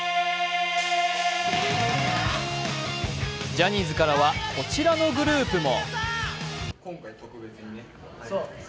ジャニーズからはこちらのグループも。